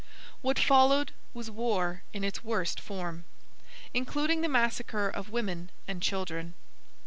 What followed was war in its worst form, including the massacre of women and children.